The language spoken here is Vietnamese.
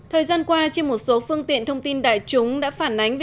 hãy đăng ký kênh để ủng hộ kênh của chúng mình nhé